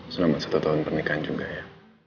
selama satu tahun pernikahan juga ya